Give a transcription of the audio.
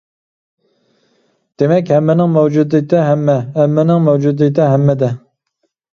دېمەك، ھەممىنىڭ مەۋجۇدىيىتى ھەممە، ھەممىنىڭ مەۋجۇدىيىتى ھەممىدە.